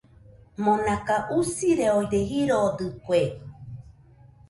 Monaka usireode jirodɨkue.